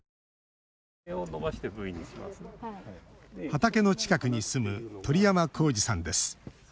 畑の近くに住む鳥山耕史さんです。